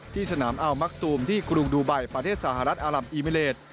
ที่สนามอ้าวมักตูมที่กรุงดูไบร์ประเทศสหรัฐอัลหรัฐอิเมรินดร์